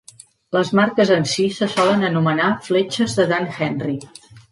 Les marques en si se solen anomenar "fletxes de Dan Henry".